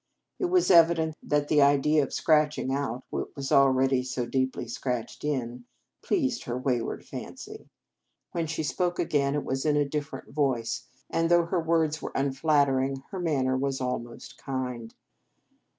It was evident that the idea of scratch ing out what was already so deeply scratched in pleased her wayward fancy. When she spoke again, it was in a different voice, and though her words were unflattering, her manner was almost kind.